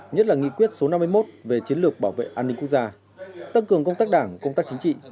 nhất là nghị quyết số năm mươi một về chiến lược bảo vệ an ninh quốc gia tăng cường công tác đảng công tác chính trị